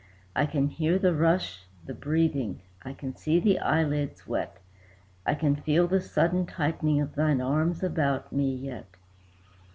I can hear the rush, the breathing; I can see the eyelids wet; I can feel the sudden tightening of thine arms about me yet.